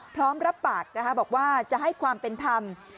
พร้อมรับปากบอกว่าจะให้ความเป็นธรรม